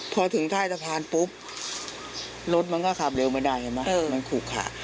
พอถึงท่าสะพานปุ๊บรถมันก็ขับเร็วไม่ได้เห็นมั้ยมันคุกค่ะ